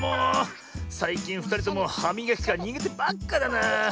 さいきんふたりともはみがきからにげてばっかだなあ。